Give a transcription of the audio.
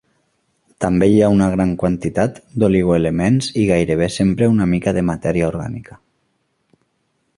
També hi ha una gran quantitat d'oligoelements i gairebé sempre una mica de matèria orgànica.